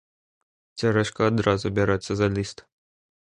Цярэшка адразу бярэцца за ліст.